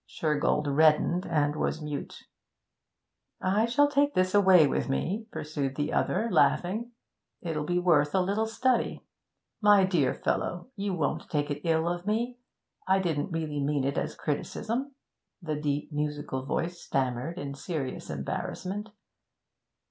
Shergold reddened and was mute. 'I shall take this away with me,' pursued the other, laughing. 'It'll be worth a little study.' 'My dear fellow you won't take it ill of me I didn't really mean it as a criticism,' the deep, musical voice stammered in serious embarrassment.